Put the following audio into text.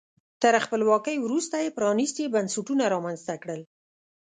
تر خپلواکۍ وروسته یې پرانیستي بنسټونه رامنځته کړل.